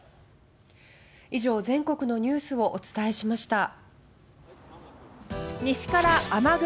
以上、全国のニュースをお伝えしました。